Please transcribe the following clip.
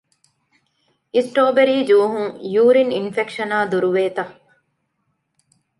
އިސްޓްރޯބެރީ ޖޫހުން ޔޫރިން އިންފެކްޝަނާ ދުރުވޭތަ؟